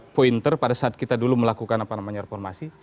pointer pada saat kita dulu melakukan apa namanya reformasi